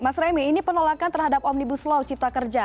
mas remi ini penolakan terhadap omnibus law cipta kerja